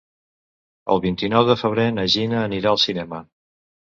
El vint-i-nou de febrer na Gina anirà al cinema.